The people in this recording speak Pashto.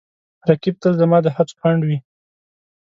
رقیب تل زما د هڅو خنډ وي